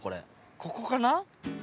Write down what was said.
ここかな？